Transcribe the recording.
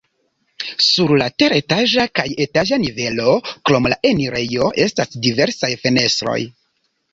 Sur la teretaĝa kaj etaĝa nivelo krom la enirejo estas diversaj fenestroj.